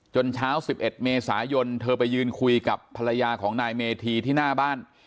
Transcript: เช้า๑๑เมษายนเธอไปยืนคุยกับภรรยาของนายเมธีที่หน้าบ้าน